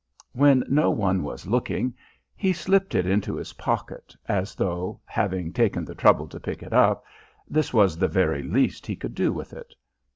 When no one was looking he slipped it into his pocket, as though, having taken the trouble to pick it up, this was the very least he could do with it.